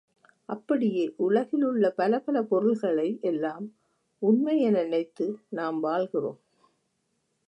அப்படியே உலகிலுள்ள பலபல பொருள்களை எல்லாம் உண்மை என நினைத்து நாம் வாழ்கிறோம்.